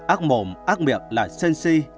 ác mộm ác miệng là sân si